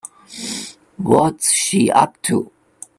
What's she up to?